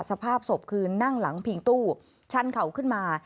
สภาพศพคือนั่งหลังพิงตู้ชั้นเข่าขึ้นมา